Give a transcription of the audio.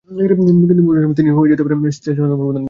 কিন্তু মৌসুম শেষে তিনিই হয়ে যেতে পারেন চেলসির অন্যতম প্রধান ভরসা।